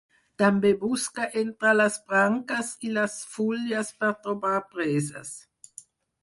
També busca entre les branques i les fulles per trobar preses.